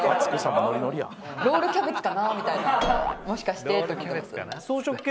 もしかして。